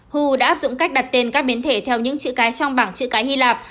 hu đã áp dụng cách đặt tên các biến thể theo những chữ cái trong bảng chữ cái hy lạp